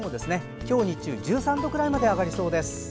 今日日中１３度くらいまで上がりそうです。